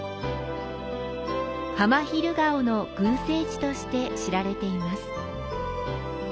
ハマヒルガオの群生地として知られています。